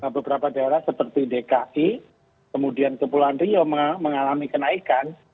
beberapa daerah seperti dki kemudian kepulauan rio mengalami kenaikan